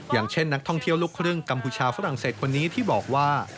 อย่างเช่นนักท่องเที่ยวลูกครึ่งกัมพูชาฝรั่งเศสคนนี้ที่บอกว่า